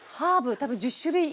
多分１０種類以上。